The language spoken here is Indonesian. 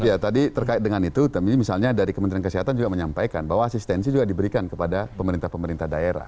ya tadi terkait dengan itu tentunya misalnya dari kementerian kesehatan juga menyampaikan bahwa asistensi juga diberikan kepada pemerintah pemerintah daerah